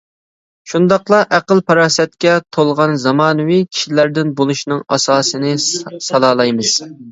شۇنداقلا ئەقىل-پاراسەتكە تولغان زامانىۋى كىشىلەردىن بولۇشنىڭ ئاساسىنى سالالايمىز!